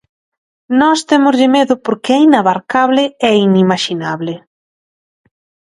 Nós témoslle medo porque é inabarcable e inimaxinable.